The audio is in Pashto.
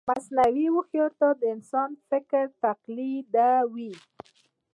مصنوعي هوښیارتیا د انسان فکر تقلیدوي.